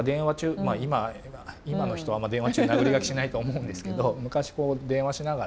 まあ今の人はあんま電話中になぐり書きしないと思うんですけど昔こう電話しながら。